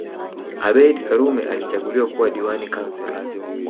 Abeid Karume alichaguliwa kuwa diwani Councillor